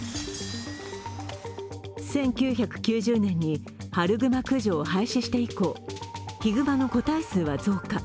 １９９０年に春熊駆除を廃止して以降ひぐまの個体数は増加。